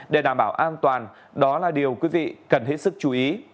để đảm bảo an toàn đó là điều quý vị cần hết sức chú ý